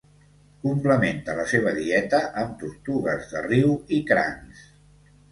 Complementa la seva dieta amb tortugues de riu i crancs.